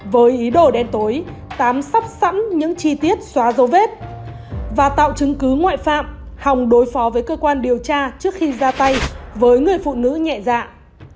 với ý đồ đen tối tám sắp sẵn những chi tiết xóa dấu vết và tạo chứng cứ ngoại phạm hòng đối phó với cơ quan điều tra trước khi ra tay với người phụ nữ nhẹ dạng